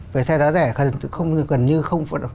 về xe giá rẻ gần như không